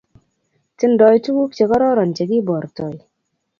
Tindo tuguk chekororon chekiborto. Tindo tuguk chekororon chekiborto.